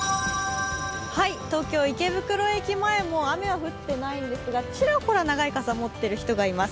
東京・池袋駅前も雨は降っていないんですが、ちらほら長い傘を持っている人がいます。